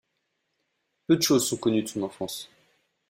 Peu de choses sont connues de son enfance.